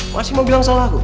masih mau bilang salah aku